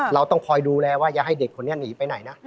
เราต้องคอยดูแลว่าอย่าให้เด็กคนนี้หนีไปไหนนะ